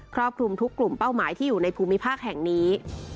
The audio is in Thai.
รอบคลุมทุกกลุ่มเป้าหมายที่อยู่ในภูมิภาคแห่งนี้